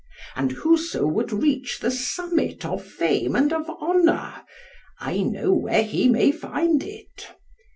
And whoso would reach the summit of fame and of honour, I know where he may find it.